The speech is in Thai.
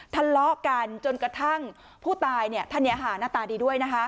ทะเลาะกันจนกระทั่งผู้ตายเนี่ยทันอย่าหาหน้าตาดีด้วยนะฮะ